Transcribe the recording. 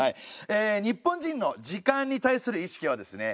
え日本人の時間に対する意識はですね